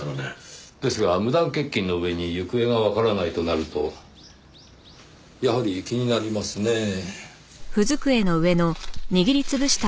ですが無断欠勤の上に行方がわからないとなるとやはり気になりますねぇ。